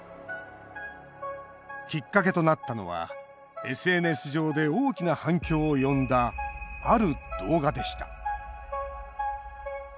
きっかけとなったのはＳＮＳ上で大きな反響を呼んだある動画でした。